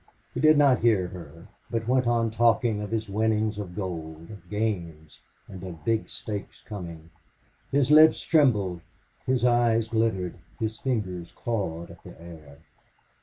He did not hear her, but went on talking of his winnings, of gold, of games, and of big stakes coming. His lips trembled, his eyes glittered, his fingers clawed at the air.